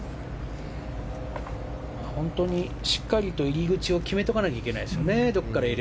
本当にしっかりと入り口を決めとかないといけないですね。